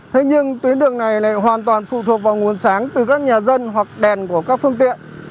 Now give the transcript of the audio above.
thế nhưng tuyến đường này lại hoàn toàn phụ thuộc vào nguồn sáng từ các nhà dân hoặc đèn của các phương tiện